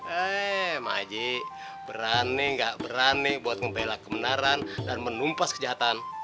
ehm aji berani gak berani buat membela kebenaran dan menumpas kejahatan